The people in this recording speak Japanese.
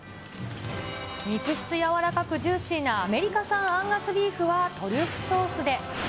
肉質柔らかくジューシーなアメリカ産アンガスビーフはトリュフソースで。